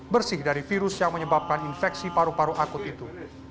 bersih dari virus yang menyebabkan infeksi paru paru akut itu